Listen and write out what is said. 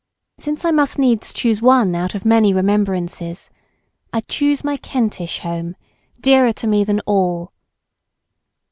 Since I must needs choose one out of many remembrances, I choose my Kentish home, dearer to me than all.